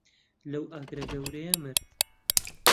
لەو ئاگرە گەورەیە مرد.